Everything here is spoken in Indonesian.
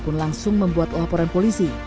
pun langsung membuat laporan polisi